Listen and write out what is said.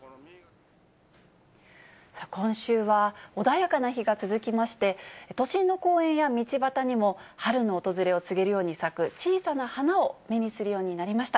今週は、穏やかな日が続きまして、都心の公園や道端にも春の訪れを告げるように咲く小さな花を目にするようになりました。